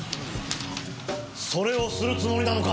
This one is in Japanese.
それをするつもりなのか？